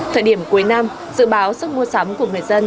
thời điểm cuối năm dự báo sức mua sắm của người dân